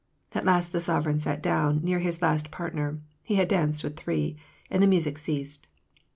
At last the sovereign sat down near his last partner — he had danced with three — and the music ceased.